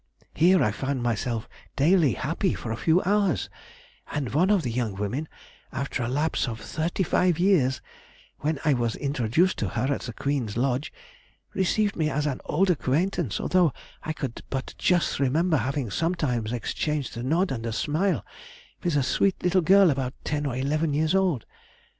Here I found myself daily happy for a few hours, and one of the young women, after a lapse of thirty five years, when I was introduced to her at the Queen's Lodge, received me as an old acquaintance, though I could but just remember having sometimes exchanged a nod and smile with a sweet little girl about ten or eleven years old.